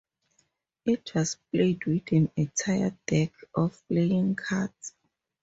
It was played with an entire deck of playing cards.